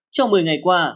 trong một mươi ngày qua